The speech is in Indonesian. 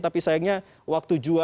tapi sayangnya waktu jua yang minggu ini